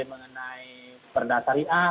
mengenai berdasari a